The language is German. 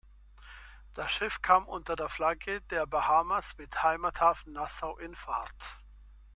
Das Schiff kam unter der Flagge der Bahamas mit Heimathafen Nassau in Fahrt.